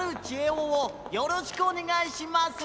おをよろしくおねがいします。